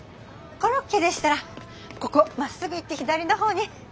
コロッケでしたらここまっすぐ行って左のほうに。